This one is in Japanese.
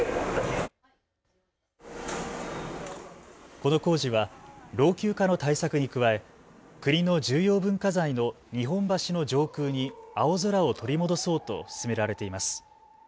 この工事は老朽化の対策に加え国の重要文化財の日本橋の上空に青空を取り戻そうと進められています。